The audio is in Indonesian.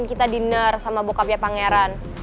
kita diner sama bokapnya pangeran